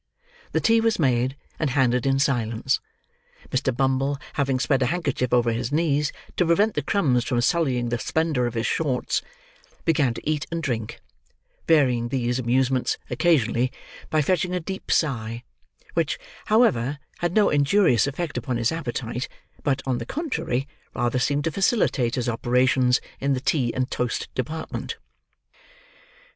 The tea was made, and handed in silence. Mr. Bumble, having spread a handkerchief over his knees to prevent the crumbs from sullying the splendour of his shorts, began to eat and drink; varying these amusements, occasionally, by fetching a deep sigh; which, however, had no injurious effect upon his appetite, but, on the contrary, rather seemed to facilitate his operations in the tea and toast department.